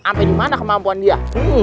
sampai dimana kemampuan dia